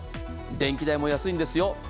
電気代も安いんです。